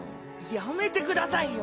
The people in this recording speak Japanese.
やめてくださいよ。